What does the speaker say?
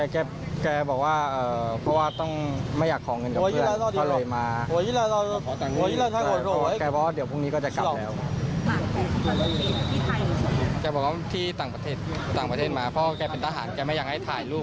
แกบอกว่าที่ต่างประเทศต่างประเทศมาพ่อแกเป็นทหารแกไม่อยากให้ถ่ายรูป